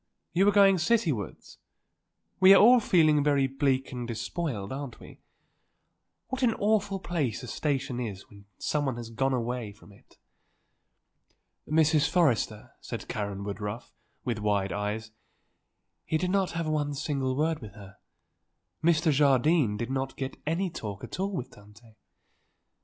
"You are going citywards? We are all feeling very bleak and despoiled, aren't we? What an awful place a station is when someone has gone away from it." "Mrs. Forrester," said Karen Woodruff, with wide eyes, "he did not have one single word with her; Mr. Jardine did not get any talk at all with Tante.